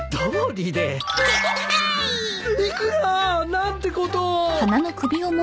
何てことを！